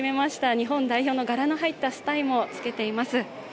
日本代表の柄の入ったスタイも着けています。